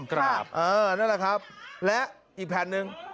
ครับอ๋อนั่นแหละครับและอีกแผ่นนึง